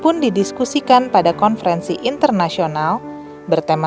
pun didiskusikan pada konferensi internasional bertema